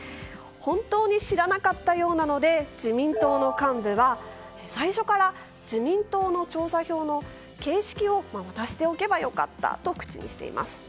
本当に知らなかったようなので自民党の幹部は最初から自民党の調査票の形式を渡しておけばよかったと口にしています。